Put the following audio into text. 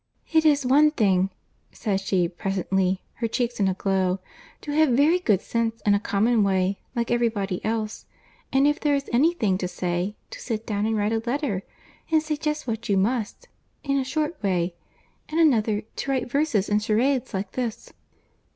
"It is one thing," said she, presently—her cheeks in a glow—"to have very good sense in a common way, like every body else, and if there is any thing to say, to sit down and write a letter, and say just what you must, in a short way; and another, to write verses and charades like this."